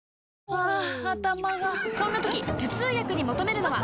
ハァ頭がそんな時頭痛薬に求めるのは？